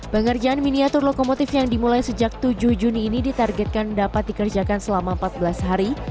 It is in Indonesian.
pengerjaan miniatur lokomotif yang dimulai sejak tujuh juni ini ditargetkan dapat dikerjakan selama empat belas hari